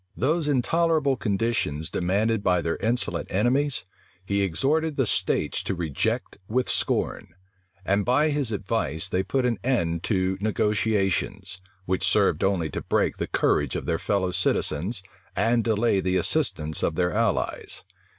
Those intolerable conditions demanded by their insolent enemies, he exhorted the states to reject with scorn; and by his advice they put an end to negotiations, which served only to break the courage of their fellow citizens, and delay the assistance of their allies.